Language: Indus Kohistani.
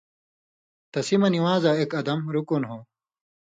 تسی مہ نِوان٘زاں ایک ادم (رُکُن) ہو